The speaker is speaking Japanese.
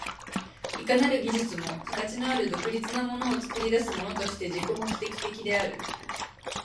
いかなる技術も形のある独立なものを作り出すものとして自己目的的である。